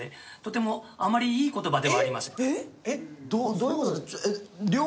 どういう事ですか？